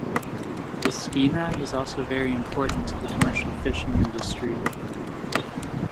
The Skeena is also very important to the commercial fishing industry.